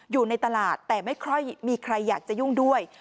อยู่ในตลาดแต่ไม่ค่อยมีใครอยากจะยุ่งด้วย